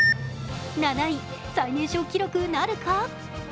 ７位、最年少記録なるか。